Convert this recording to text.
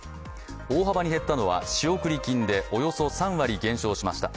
大幅に減ったのは仕送り金でおよそ３割減少しました。